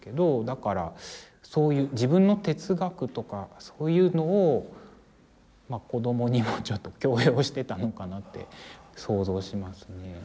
だからそういう自分の哲学とかそういうのを子供にもちょっと強要してたのかなって想像しますね。